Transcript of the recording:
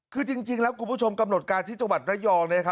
คือจริงแล้วคุณผู้ชมกำหนดการที่จังหวัดระยอง